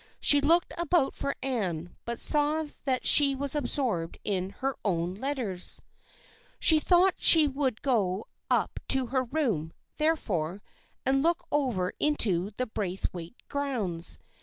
She looked about for Anne but saw that she was absorbed in her own letters. 74 THE FEIENDSHIP OF ANNE She thought she would go up to her room, therefore, and look over into the Braithwaite grounds.